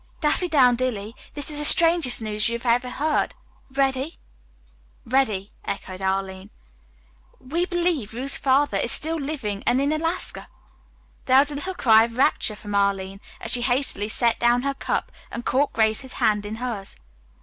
"Daffydowndilly, this is the strangest news you ever heard. Ready?" "Ready," echoed Arline. "We believe Ruth's father is still living and in Alaska." There was a little cry of rapture from Arline as she hastily set down her cup and caught Grace's hand in hers.